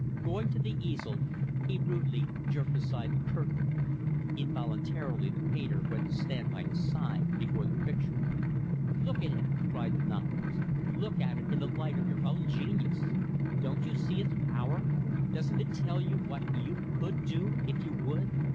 Going to the easel, he rudely jerked aside the curtain. Involuntarily, the painter went to stand by his side before the picture. "Look at it!" cried the novelist. "Look at it in the light of your own genius! Don't you see its power? Doesn't it tell you what you could do, if you would?